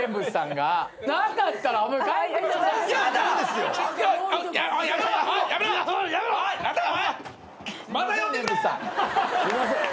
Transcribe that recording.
・すいません！